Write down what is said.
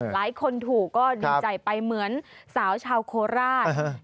หลายคนถูกก็ดีใจไปเหมือนสาวชาวโคราช